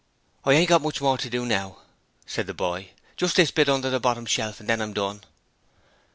'I ain't got much more to do now,' said the boy. 'Just this bit under the bottom shelf and then I'm done.'